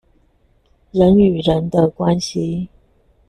人與人的關係